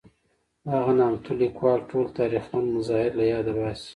دغه نامتو لیکوال ټول تاریخمن مظاهر له یاده باسي.